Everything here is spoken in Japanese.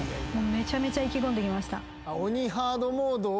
めちゃめちゃ意気込んで来ました。